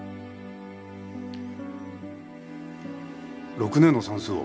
６年の算数を？